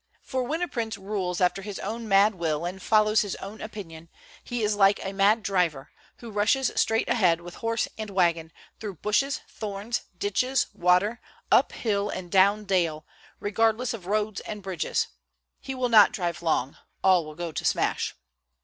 For when a prince rules after his own mad will and follows his own opinion, he is like a mad driver, who rushes straight ahead with horse and wagon, through bushes, thorns, ditches, water, up hill and down dale, regardless of roads and bridges; he will not drive long, all will go to smash.